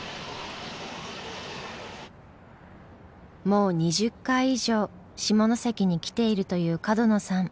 もう２０回以上下関に来ているという角野さん。